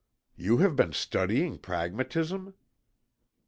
"You have been studying Pragmatism?"